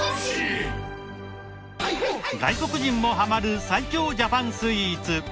外国人もハマる最強ジャパンスイーツ